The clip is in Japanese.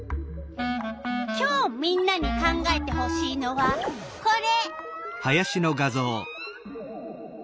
今日みんなに考えてほしいのはこれ。